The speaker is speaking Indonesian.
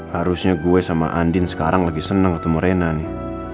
harusnya gue sama andin sekarang lagi seneng ketemu rena nih